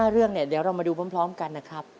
ใน๕เรื่องเดี๋ยวเรามาดูพร้อมกันนะครับ